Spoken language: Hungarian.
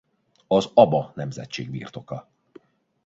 Az Aba nemzetség birtoka.